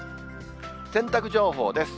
洗濯情報です。